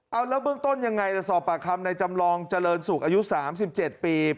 เอาแล้วพึ่งต้นยังไงสอบปากคำในจำลองจริงสุขอายุสามสิบเจ็ดปี